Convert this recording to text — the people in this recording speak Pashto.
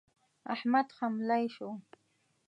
احمد خملۍ شو.